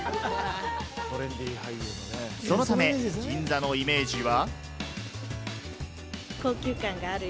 そのため銀座のイメージは。